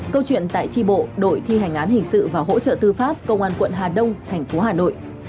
câu chuyện tại tri bộ đội thi hành án hình sự và hỗ trợ tư pháp công an quận hà đông thành phố hà nội